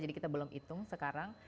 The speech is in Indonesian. jadi kita belum hitung sekarang